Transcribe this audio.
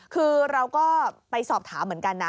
คือเราก็ไปสอบถามเหมือนกันนะ